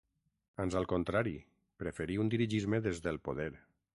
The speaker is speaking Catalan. Ans al contrari, preferí un dirigisme des del poder.